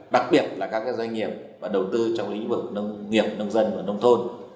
đặc biệt là các doanh nghiệp đầu tư trong lĩnh vực nông nghiệp nông dân và nông thôn